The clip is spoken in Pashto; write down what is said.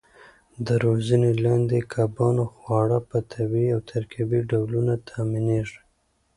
د روزنې لاندې کبانو خواړه په طبیعي او ترکیبي ډولونو تامینېږي.